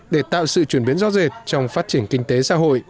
để tạo sự chuyển biến do dệt trong phát triển kinh tế xã hội